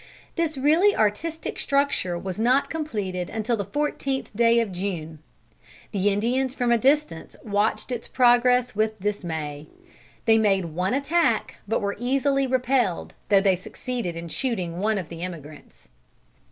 This really artistic structure was not completed until the fourteenth day of June. The Indians from a distance watched its progress with dismay. They made one attack, but were easily repelled, though they succeeded in shooting one of the emigrants.